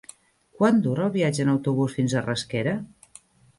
Quant dura el viatge en autobús fins a Rasquera?